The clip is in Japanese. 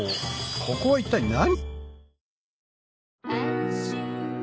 ここは一体何？